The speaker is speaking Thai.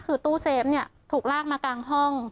คือตู้เซฟเนี่ยถูกลากมากลางห้อง